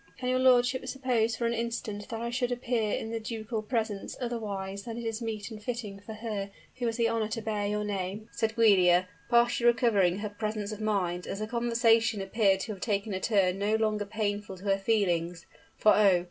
"Can your lordship suppose for an instant that I should appear in the ducal presence otherwise than is meet and fitting for her who has the honor to bear your name?" said Giulia, partially recovering her presence of mind, as the conversation appeared to have taken a turn no longer painful to her feelings for, oh!